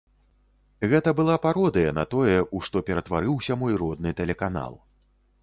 Гэта была пародыя на тое, у што ператварыўся мой родны тэлеканал.